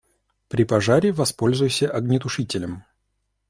При пожаре воспользуйся огнетушителем.